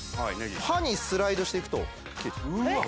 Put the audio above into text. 刃にスライドしていくと切れるえっ